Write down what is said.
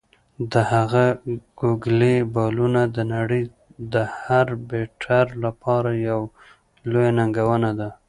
د هغه "ګوګلي" بالونه د نړۍ د هر بیټر لپاره یوه لویه ننګونه ده.